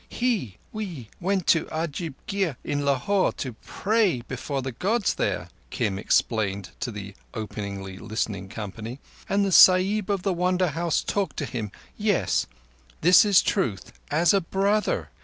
"He—we—went to the Ajaib Gher in Lahore to pray before the Gods there," Kim explained to the openly listening company. "And the Sahib of the Wonder House talked to him—yes, this is truth as a brother.